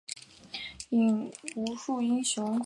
选择从头开始